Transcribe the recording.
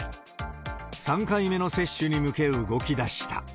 ３回目の接種に向け動きだした。